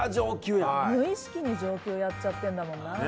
無意識に上級やっちゃってるんだもんな。